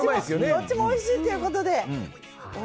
どっちもおいしいということで。